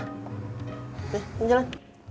ya emang jalan